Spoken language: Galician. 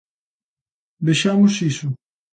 Vexamos iso.